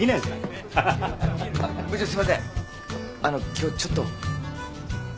あの今日ちょっと。